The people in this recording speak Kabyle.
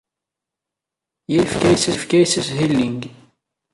Yal yiwet yefka-as ashilling.